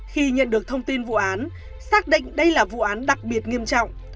khi nhận được thông tin vụ án xác định đây là vụ án đặc biệt nghiêm trọng